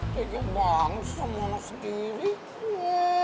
tiga bangsa malah sendiri